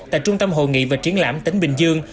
tại trung tâm hội nghị và triển lãm tỉnh bình dương